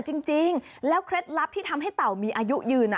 จริงแล้วเคล็ดลับที่ทำให้เต่ามีอายุยืน